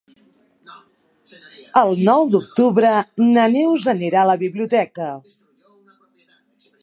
El nou d'octubre na Neus anirà a la biblioteca.